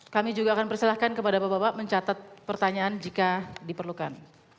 kami juga akan persilahkan kepada bapak bapak mencatat pertanyaan jika diperlukan